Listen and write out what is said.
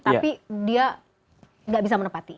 tapi dia nggak bisa menepati